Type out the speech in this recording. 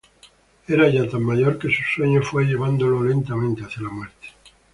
Era ya tan mayor que su sueño fue llevándolo lentamente hacia la muerte.